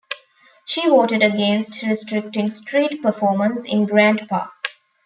She voted against restricting street performers in Grant Park.